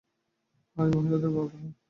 High, মহিলাদের bathroom.